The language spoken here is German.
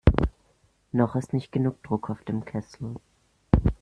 Noch ist nicht genug Druck auf dem Kessel.